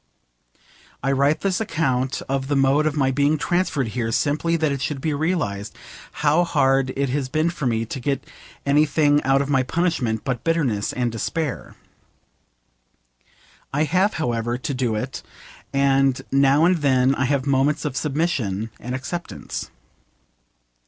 I write this account of the mode of my being transferred here simply that it should be realised how hard it has been for me to get anything out of my punishment but bitterness and despair. I have, however, to do it, and now and then I have moments of submission and acceptance.